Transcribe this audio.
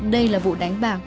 đây là vụ đánh bạc